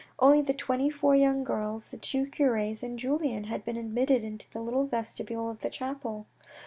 Only the twenty four young girls, the two cures and Julien had been admitted into the little vestibule of the chapel.